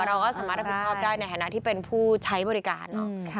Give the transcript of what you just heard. เราก็สามารถทดชอบได้ในฐานะที่เป็นผู้ใช้บริการ